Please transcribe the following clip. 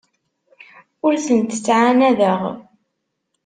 Ur tent-ttɛanadeɣ.